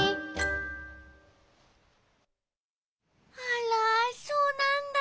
あらそうなんだ。